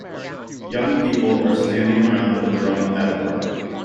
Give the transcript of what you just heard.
Young people are standing around a drum at a party.